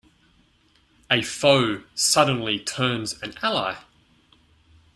A foe suddenly turns an ally.